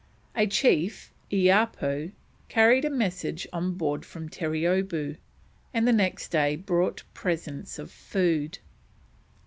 A chief, Eapoo, carried a message on board from Terreeoboo, and next day brought presents of food.